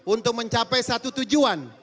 untuk mencapai satu tujuan